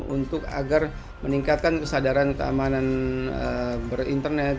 untuk agar meningkatkan kesadaran keamanan berinternet